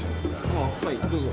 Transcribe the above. あっはいどうぞ。